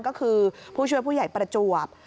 ก็คือผู้ช่วยผู้ใหญ่ประจวบ